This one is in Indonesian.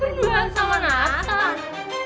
berduaan sama nathan